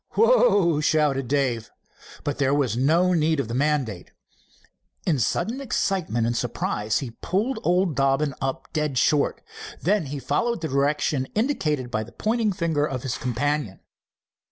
"Whoa!" shouted Dave, but there was no need of the mandate. In sudden excitement and surprise he had pulled old Dobbin up dead short. Then he followed the direction indicated by the pointing finger of his companion.